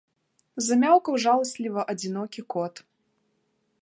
Замяўкаў жаласліва адзінокі кот.